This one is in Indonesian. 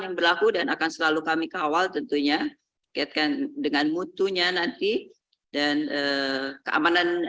yang berlaku dan akan selalu kami kawal tentunya kaitkan dengan mutunya nanti dan keamanan